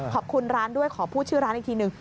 ขอบคุณร้านด้วยขอพูดชื่อร้านอีกทีหนึ่ง